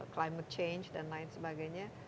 climate change dan lain sebagainya